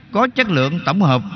có chất lượng tổng hợp